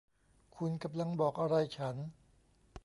คุณกำลังบอกอะไรฉัน